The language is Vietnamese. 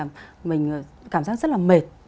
mình cảm giác rất là mệt